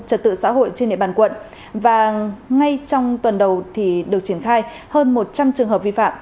trật tự xã hội trên địa bàn quận và ngay trong tuần đầu thì được triển khai hơn một trăm linh trường hợp vi phạm